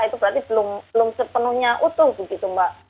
itu berarti belum sepenuhnya utuh begitu mbak